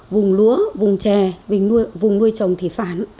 vùng lúa vùng chè vùng nuôi trồng thị sản